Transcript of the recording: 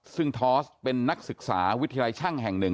ซึ่งทอสเป็นนักศึกษาวิทยาลัยช่างแห่งหนึ่ง